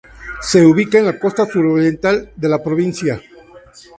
Se ubica en la costa suroriental de la provincia.